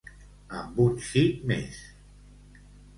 Amb un xic més.